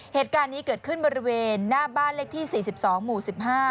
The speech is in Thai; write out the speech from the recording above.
เหตุการณ์นี้เกิดขึ้นบริเวณหน้าบ้านเลขที่สี่สิบสองหมู่สิบห้า